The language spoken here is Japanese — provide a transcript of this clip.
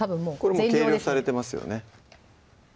これもう計量されてますよね